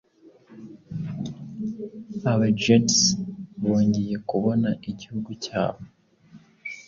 Aba Geats bongeye kubona igihugu cyabo